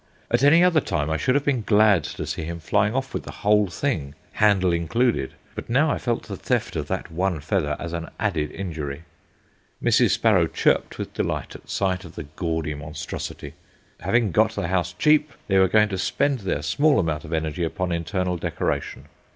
At any other time I should have been glad to see him flying off with the whole thing, handle included. But now I felt the theft of that one feather as an added injury. Mrs. Sparrow chirped with delight at sight of the gaudy monstrosity. Having got the house cheap, they were going to spend their small amount of energy upon internal decoration.